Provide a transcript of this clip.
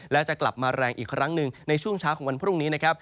และจะกลับมาแรงอีกครั้งหนึ่งในช่วงเช้าของวันพรุ่งนี้นะครับ